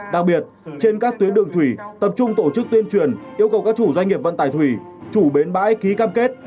đặc biệt trên các tuyến đường thủy tập trung tổ chức tuyên truyền yêu cầu các chủ doanh nghiệp vận tải thủy chủ bến bãi ký cam kết